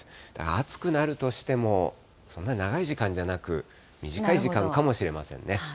暑くなるとしても、そんな長い時間じゃなく、短い時間かもしれませんね。